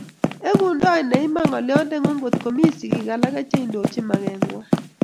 Egundoi ne iman ngolyongung ngotkomi sigik alake cheindochin magengwai